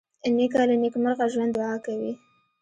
نیکه له نیکمرغه ژوند دعا کوي.